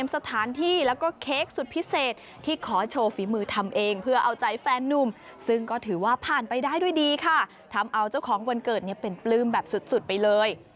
ซึ่งก็ถือว่าผ่านไปได้ด้วยดีค่ะทำเอาเจ้าของวันเกิดเนี่ยเป็นปลื้มแบบสุดสุดไปเลย